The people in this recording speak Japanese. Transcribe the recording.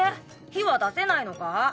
火は出せないのか？